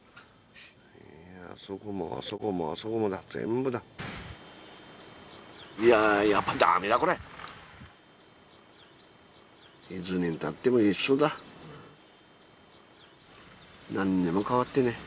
いやあそこもあそこもあそこもだ全部だいやあやっぱダメだこれ１年たっても一緒だ何にも変わってねえ